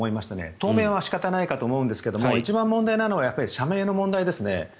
当面は仕方ないかと思うんですが一番、問題なのは社名の問題ですね。